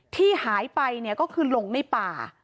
ที่หายไปก็คือหลงในป่า